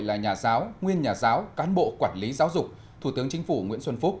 là nhà giáo nguyên nhà giáo cán bộ quản lý giáo dục thủ tướng chính phủ nguyễn xuân phúc